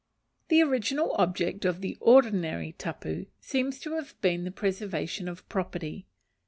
The original object of the ordinary tapu seems to have been the preservation of property.